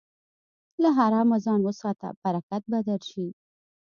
له حرامه ځان وساته، برکت به درشي.